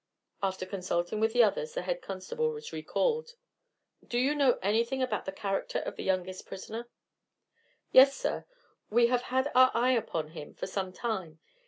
After consulting with the others the head constable was recalled. "Do you know anything about the character of the youngest prisoner?" "Yes, sir. We have had our eye upon him for some time.